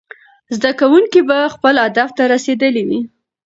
زده کوونکي به خپل هدف ته رسېدلي وي.